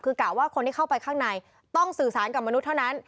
คือกะว่าคนที่เข้าไปข้างในต้องสื่อสารกับมนุษย์เท่านั้น